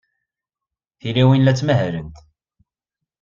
Tilawin la ttmahalent.